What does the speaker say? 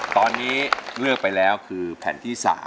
ตอนนี้เลือกไปแล้วคือแผ่นที่๓